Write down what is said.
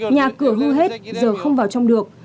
nhà cửa hư hết giờ không vào trong được